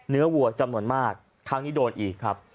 วัวจำนวนมากครั้งนี้โดนอีกครับ